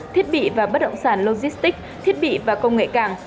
thiết bị và bất động sản logistics thiết bị và công nghệ cảng